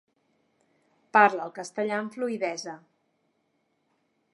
Parla el castellà amb fluïdesa.